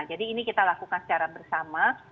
jadi ini kita lakukan secara bersama